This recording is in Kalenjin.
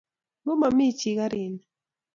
Ngo ma mi chi karit ni .